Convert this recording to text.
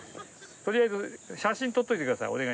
とりあえず写真撮っといてください。